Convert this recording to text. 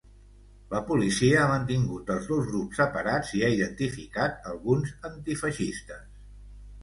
La policia ha mantingut els dos grups separats i ha identificat alguns antifeixistes.